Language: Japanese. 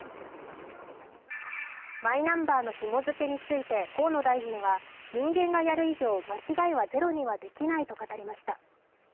マイナンバーのひも付けについて河野大臣は、人間がやる以上、間違いはゼロにはできないと語りました。